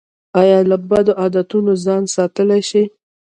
ایا له بدو عادتونو ځان ساتلی شئ؟